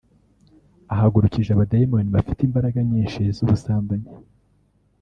ahagurukije abadayimoni bafite imbaraga nyinshi z’ubusambanyi